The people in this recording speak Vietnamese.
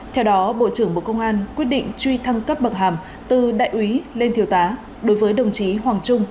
theo đó bộ trưởng bộ công an quyết định truy thăng cấp bậc hàm từ đại úy lên thiếu tá đối với đồng chí hoàng trung